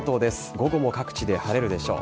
午後も各地で晴れるでしょう。